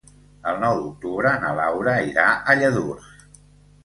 El nou d'octubre na Laura irà a Lladurs.